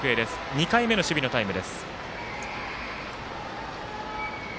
２回目の守備のタイム。